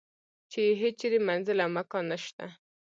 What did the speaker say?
چې یې هیچرې منزل او مکان نشته.